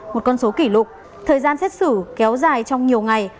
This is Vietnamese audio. một con số kỷ lục thời gian xét xử kéo dài trong nhiều ngày